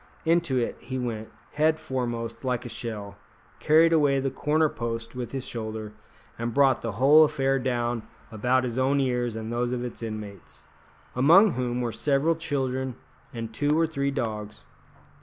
Into it he went, head foremost, like a shell, carried away the corner post with his shoulder, and brought the whole affair down about his own ears and those of its inmates, among whom were several children and two or three dogs.